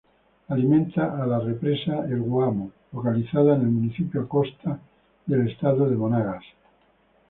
Alimenta a la represa El Guamo localizada en el Municipio Acosta del estado Monagas.